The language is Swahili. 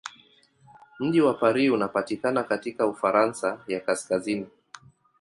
Mji wa Paris unapatikana katika Ufaransa ya kaskazini.